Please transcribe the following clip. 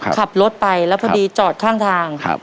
ขับรถไปแล้วพอดีจอดข้างทาง